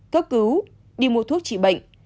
cấp cứu đi mua thuốc trị bệnh